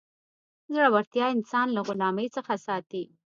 زړورتیا انسان له غلامۍ څخه ساتي.